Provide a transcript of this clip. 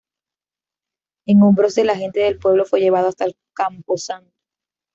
En hombros de la gente del pueblo fue llevado hasta el camposanto.